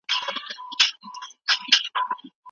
هغه سياستوال چي امکانات نه لري نفوذ نسي کولای.